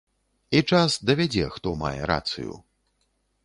І час давядзе, хто мае рацыю.